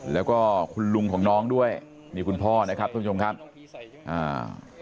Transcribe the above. แล้วก็คุณลุงของน้องด้วยนี่คุณพ่อนะครับท่านผู้ชมครับอ่า